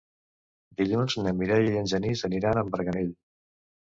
Dilluns na Mireia i en Genís aniran a Marganell.